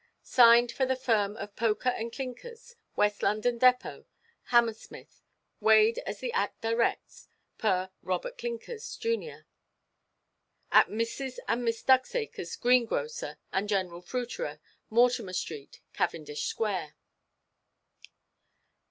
"Signed for the firm of Poker and Clinkers, West London Depôt, Hammersmith. Weighed as the Act directs. Per ROBERT CLINKERS, jun. "At Mrs. and Miss Ducksacreʼs, greengrocer and general fruiterer, Mortimer–street, Cavendish–square."